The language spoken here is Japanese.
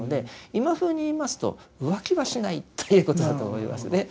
今ふうに言いますと浮気はしないっていうことだと思いますね。